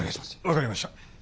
分かりました。